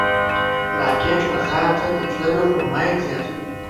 راکټ فضا ته د تللو امید زیاتوي